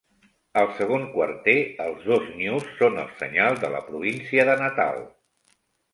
Al segon quarter, els dos nyus són el senyal de la província de Natal.